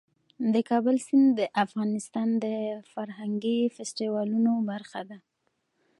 د کابل سیند د افغانستان د فرهنګي فستیوالونو برخه ده.